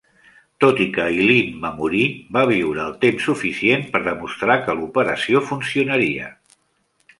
Tot i que Eileen va morir, va viure el temps suficient per demostrar que l'operació funcionaria.